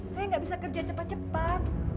saya nggak bisa kerja cepat cepat